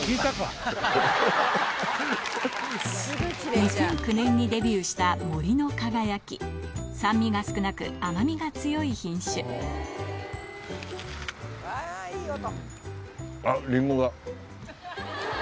２００９年にデビューしたもりのかがやき酸味が少なく甘みが強い品種うわぁいい音。